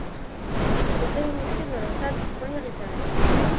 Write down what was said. Ils se réunissaient dans la salle du premier étage.